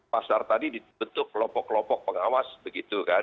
pasar tadi dibentuk kelopok kelopok pengawas begitu kan